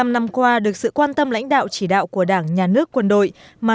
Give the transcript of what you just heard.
bảy mươi năm năm qua được sự quan tâm lãnh đạo chỉ đạo của đảng nhà nước quân đội